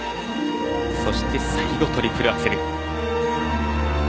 そして最後、トリプルアクセル。